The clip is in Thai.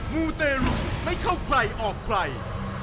มูเตรุไม่เข้าใครออกใคร